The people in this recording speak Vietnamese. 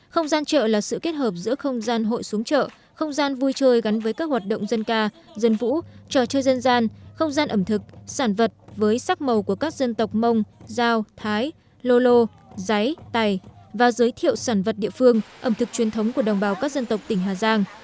không gian chợ là sự kết hợp giữa không gian hội xuống chợ không gian vui chơi gắn với các hoạt động dân ca dân vũ trò chơi dân gian không gian ẩm thực sản vật với sắc màu của các dân tộc mông giao thái lô lô giấy tài và giới thiệu sản vật địa phương ẩm thực truyền thống của đồng bào các dân tộc tỉnh hà giang